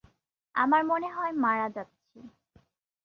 আমার মনে হয় মারা যাচ্ছি।